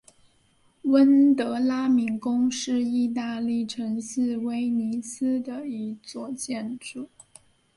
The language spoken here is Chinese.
温德拉敏宫是义大利城市威尼斯的一座建筑。